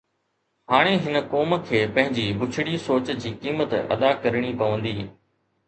ھاڻي ھن قوم کي پنھنجي ٻچڙي سوچ جي قيمت ادا ڪرڻي پوندي.